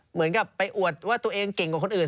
เหมือนกับไปอวดว่าตัวเองเก่งกว่าคนอื่น